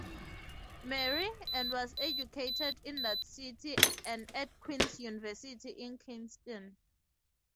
Marie, and was educated in that city and at Queen's University in Kingston.